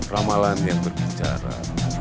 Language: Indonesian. ramalan yang berbicara